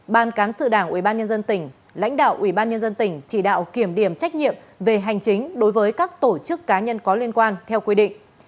bàn cán sự đảng ủy ban nhân dân tỉnh lãnh đạo ủy ban nhân dân tỉnh chỉ đạo kiểm điểm trách nhiệm về hành chính đối với các tổ chức cá nhân có liên quan theo quy định